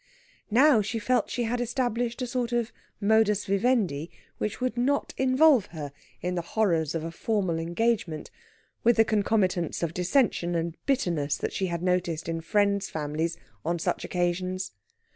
Now she felt she had established a sort of modus vivendi which would not involve her in the horrors of a formal engagement, with the concomitants of dissension and bitterness that she had noticed in friends' families on such occasions.